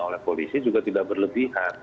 oleh polisi juga tidak berlebihan